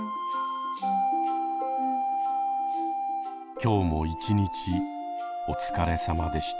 今日も一日お疲れさまでした。